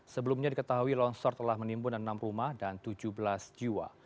sebelumnya diketahui longsor telah menimbun enam rumah dan tujuh belas jiwa